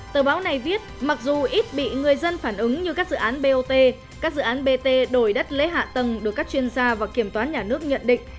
tờ báo này viết mặc dù ít bị người dân phản ứng như các dự án bot các dự án bt đổi đất lấy hạ tầng được các chuyên gia và kiểm toán nhà nước nhận định